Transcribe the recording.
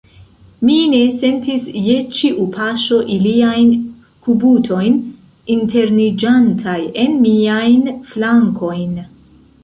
Mi ne sentis je ĉiu paŝo iliajn kubutojn interniĝantaj en miajn flankojn.